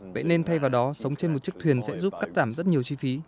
vậy nên thay vào đó sống trên một chiếc thuyền sẽ giúp cắt giảm rất nhiều